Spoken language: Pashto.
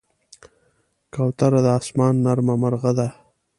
کوتره د آسمان نرمه مرغه ده.